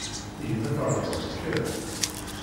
Ihi ma teṛwiḍ kker.